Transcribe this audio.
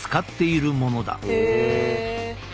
へえ。